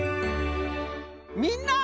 みんな！